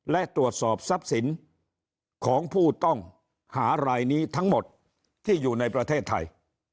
และตรวจสอบทรัพย์สินของผู้ต้องหารายนี้ทั้งหมดที่อยู่ในประเทศไทย